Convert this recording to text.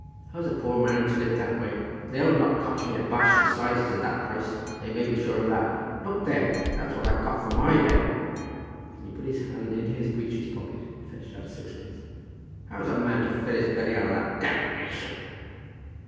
How's a poor man to live that way? They'll not cotch me at Barchester 'Sizes at that price; they may be sure of that. Look there, that's what I've got for my day." And he put his hand into his breeches' pocket and fetched out a sixpence. "How's a man to fill his belly out of that? Damnation!"